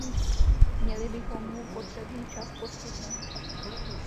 Měli bychom mu potřebný čas poskytnout.